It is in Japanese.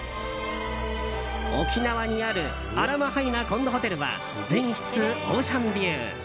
沖縄にあるアラマハイナコンドホテルは全室オーシャンビュー！